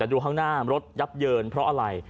ดูข้างหน้ารถยับเยินเพราะอะไร